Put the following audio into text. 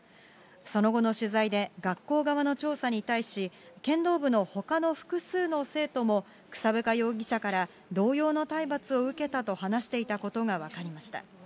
その後の取材で、学校側の調査に対し、剣道部のほかの複数の生徒も、草深容疑者から同様の体罰を受けたと話していたことが分かりました。